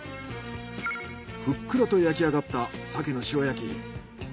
ふっくらと焼きあがった鮭の塩焼き。